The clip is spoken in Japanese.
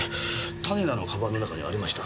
種田のカバンの中にありました。